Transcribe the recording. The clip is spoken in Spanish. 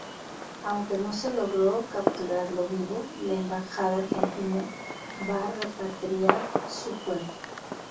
Aunque no se logró capturarlo vivo la embajada argentina va a repatriar su cuerpo.